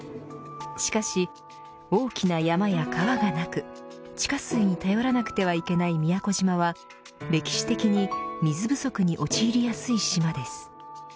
しかし、大きな山や川がなく地下水に頼らなくてはいけない宮古島は歴史的に水不足に陥りやすい島です。